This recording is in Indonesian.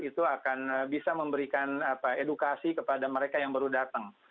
itu akan bisa memberikan edukasi kepada mereka yang baru datang